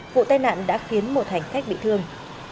vụ tai nạn đã khiến một hành khách bị thương